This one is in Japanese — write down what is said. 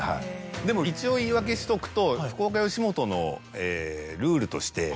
でも一応言い訳しとくと。